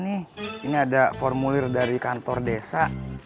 ini ada formulir dari kantor desa